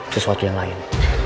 sesuatu yang lain